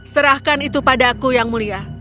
serahkan itu padaku yang mulia